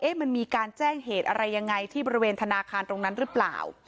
มันมีการแจ้งเหตุอะไรยังไงที่บริเวณธนาคารตรงนั้นหรือเปล่า